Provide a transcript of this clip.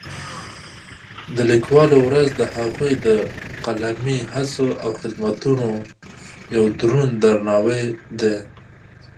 د لیکوالو ورځ د هغوی د قلمي هڅو او خدمتونو یو دروند درناوی دی.